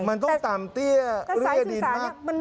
มันต้องตามเตี้ยเลือดนิดมาก